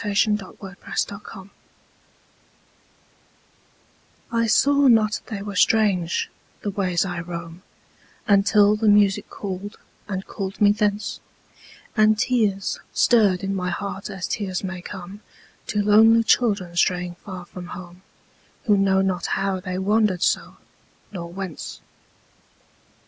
By Josephine PrestonPeabody 1671 After Music I SAW not they were strange, the ways I roam, Until the music called, and called me thence, And tears stirred in my heart as tears may comeTo lonely children straying far from home, Who know not how they wandered so, nor whence.